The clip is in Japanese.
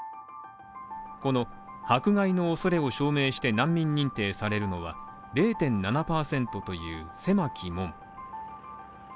この迫害の恐れを証明して難民認定されるのは０．７％という狭き門。